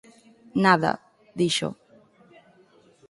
Nada —dixo—.